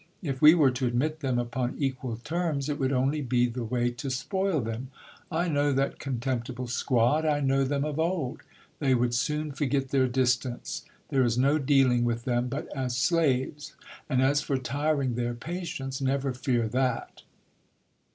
If we were to admit them upon equal terms, it would only be the way to spoil them. I know that con temptible squad ; I know them of old : they would soon forget their distance. There is no dealing with them but as slaves ; and as for tiring their patience, never fear that.